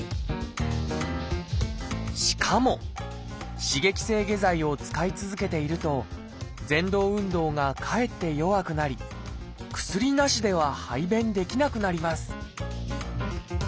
しかも刺激性下剤を使い続けているとぜん動運動がかえって弱くなり薬なしでは排便できなくなります